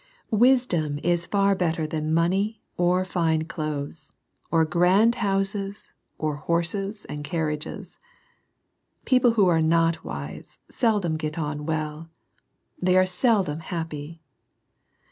Wisdom is far better than money or fine clothes, or grand houses, ol: horses and carriages. People who are not wise seldom get on well. They are seldom happy.